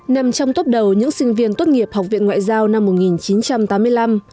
nằm trong tốp đầu những sinh viên tốt nghiệp học viện ngoại giao năm một nghìn chín trăm tám mươi năm